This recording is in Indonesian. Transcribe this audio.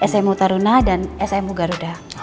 smu taruna dan smu garuda